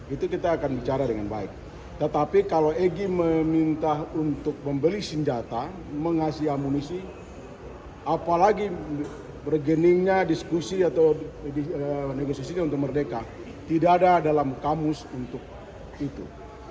itu kita akan bicara dengan baik tetapi kalau egy meminta untuk membeli senjata mengasih amunisi apalagi bergeningnya diskusi atau negosiasinya untuk merdeka tidak ada dalam kamus untuk itu